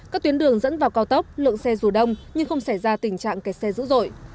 các tuyến đường dẫn vào cao tốc lượng xe dù đông nhưng không xảy ra tình trạng kẹt xe dữ dội